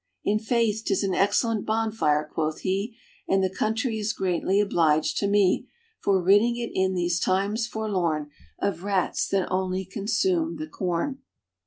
"< In faith, 'tis an excellent bonfire,' quoth he, ' And the country is greatly obliged to me For ridding it in these times forlorn, Of rats that only consume the corn.'